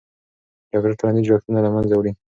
جګړه ټولنیز جوړښتونه له منځه وړي.